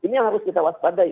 ini yang harus kita waspadai